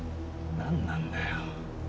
何なんだよ